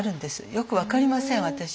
よく分かりません私には。